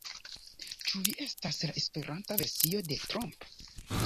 Ĉu vi estas la esperanta versio de Trump?